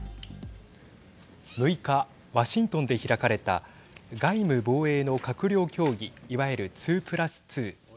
６日、ワシントンで開かれた外務・防衛の閣僚協議いわゆる２プラス２。